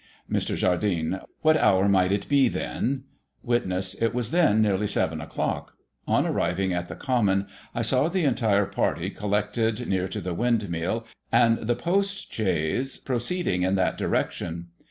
Mr. Jardine : What hour might it be then ? Witness: It was then nearly 7 o'clock. On arriving at the Common, I saw the entire party collected near to the Windmill, and the post chaise proceeding in that direction.